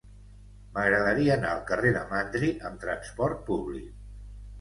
M'agradaria anar al carrer de Mandri amb trasport públic.